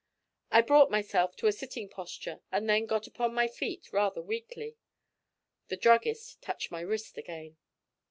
I brought myself to a sitting posture, and then got upon my feet, rather weakly. The druggist touched my wrist again.